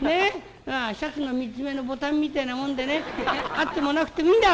シャツの３つ目のボタンみてえなもんでねあってもなくてもいいんだ！